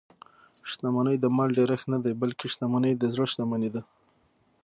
شتمني د مال ډېرښت نه دئ؛ بلکي شتمني د زړه شتمني ده.